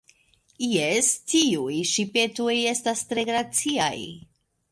Jes, tiuj ŝipetoj estas tre graciaj.